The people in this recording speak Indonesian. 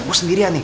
gue sendirian nih